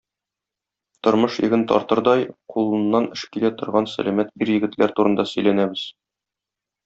Тормыш йөген тартырдай, кулыннан эш килә торган сәламәт ир-егетләр турында сөйләнәбез.